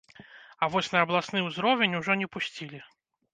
А вось на абласны ўзровень ужо не пусцілі.